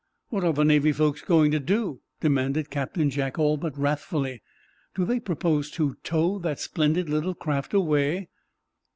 '" "What are the Navy folks going to do?" demanded Captain Jack, all but wrathfully. "Do they propose to tow that splendid little craft away?"